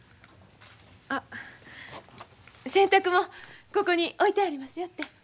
あ洗濯もんここに置いてありますよって。